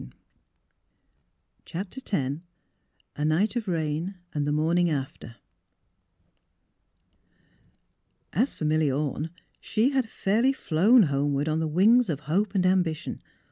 I CHAPTER X A NIGHT OF RAIN AND THE MORNING AFTER As for Milly Orne, she had fairly flown homeward on the wings of hope and ambition.